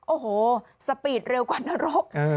โอ้โหสปีดเร็วกว่านรก